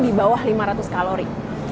di bawah lima ratus kalori